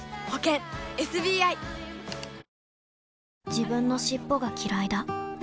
自分の尻尾がきらいだ